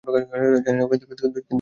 জানি না, কিন্তু যেমন করিয়া হউক, জানিবই।